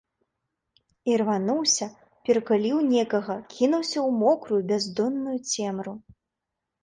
Ірвануўся, перакуліў некага, кінуўся ў мокрую, бяздонную цемру.